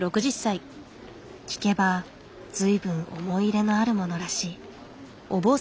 聞けば随分思い入れのあるものらしい。